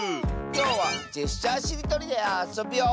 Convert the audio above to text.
きょうは「ジェスチャーしりとり」であそぶよ！